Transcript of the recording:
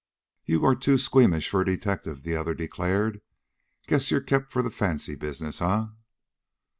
"You are too squeamish for a detective," the other declared. "Guess you're kept for the fancy business, eh?"